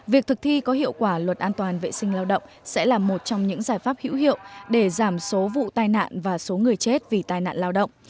việc thực thi có hiệu quả luật an toàn vệ sinh lao động sẽ là một trong những giải pháp hữu hiệu để giảm số vụ tai nạn và số người chết vì tai nạn lao động